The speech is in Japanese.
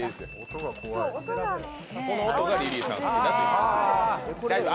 この音がリリーさん好きだと。